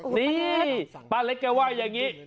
นี่ป้าเล็กแกว่าอย่างนี้